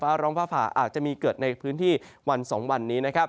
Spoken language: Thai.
ฟ้าร้องฟ้าผ่าอาจจะเกิดในพื้นที่วัน๒วันนี้